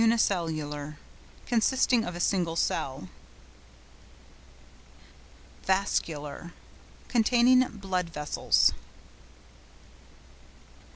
UNICELLULAR.—Consisting of a single cell. VASCULAR.—Containing blood vessels.